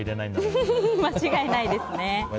間違いないですね。